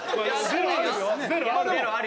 ゼロある。